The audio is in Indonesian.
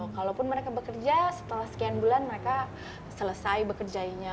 kalaupun mereka bekerja setelah sekian bulan mereka selesai bekerjanya